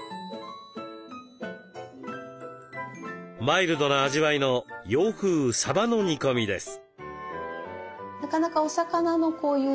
マイルドな味わいの洋風さばの煮込みです。